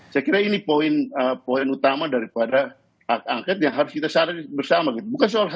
saya kira ini poin poin utama daripada hak angket yang harus kita sadari bersama gitu